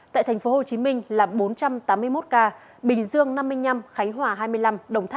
tại tp hcm là bốn trăm tám mươi một ca